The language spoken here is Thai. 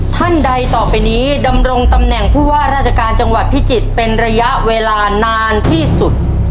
ท่านใดต่อไปนี้ดำรงตำแหน่งผู้ว่าราชการจังหวัดพิจิตรเป็นระยะเวลานานที่สุด